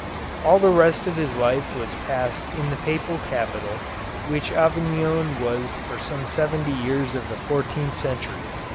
All the rest of his life was passed in the Papal capital, which Avignon was for some seventy years of the fourteenth century.